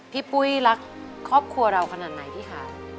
ปุ้ยรักครอบครัวเราขนาดไหนพี่คะ